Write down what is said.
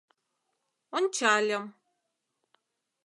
Ончальым: